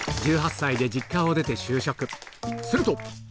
すると！